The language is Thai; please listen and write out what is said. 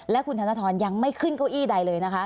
และคุณธนทรยังไม่ขึ้นเก้าอี้ใดเลยนะคะ